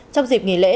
trong dịp nghỉ lễ